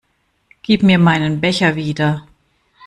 Gib mir meinen Becher wieder!